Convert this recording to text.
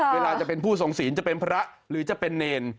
เวลาจะเป็นผู้ทรงศีลจะเป็นพระหรือจะเป็นเนร